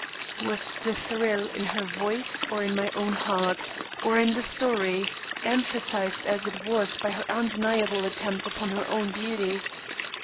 Was the thrill in her voice or in my own heart, or in the story emphasised as it was by her undeniable attempt upon her own beauty?